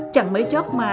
chẳng mấy chóc mà